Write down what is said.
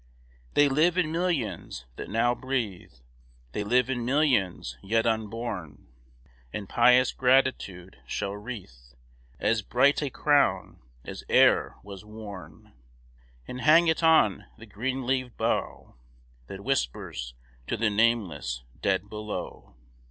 They live in millions that now breathe; They live in millions yet unborn, And pious gratitude shall wreathe As bright a crown as e'er was worn, And hang it on the green leaved bough, That whispers to the nameless dead below.